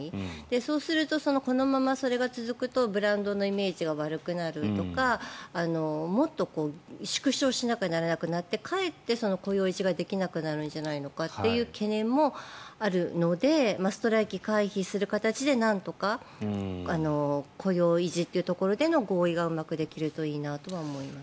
そうするとこのままそれが続くとブランドのイメージが悪くなるとかもっと縮小しなければならなくなってかえって雇用維持ができなくなるんじゃないかという懸念もあるのでストライキ回避する形でなんとか雇用維持というところでの合意がうまくできるといいなとは思います。